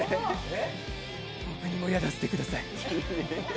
僕にもやらせてください。